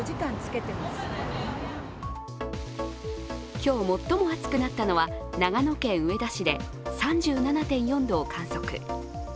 今日最も暑くなったのは長野県上田市で３７．４度を観測。